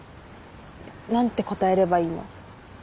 何て答えればいいの？